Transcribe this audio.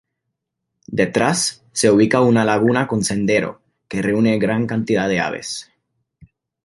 Detrás, se ubica una laguna con sendero, que reúne gran cantidad de aves.